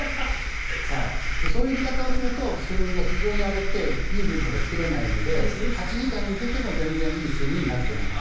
そういう寝方をすると睡眠が非常に荒れていいリズムが作れないので８時間寝ても全然いい睡眠になっていない。